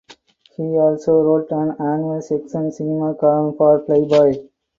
He also wrote an annual "Sex and Cinema" column for "Playboy".